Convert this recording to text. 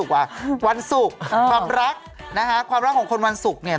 ความรักความรักของวันศุกร์เนี่ย